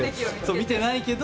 見てないけど。